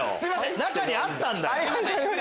中にあったんだよ。